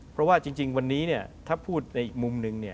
เพราะว่าจริงวันนี้ถ้าพูดในอีกมุมนึง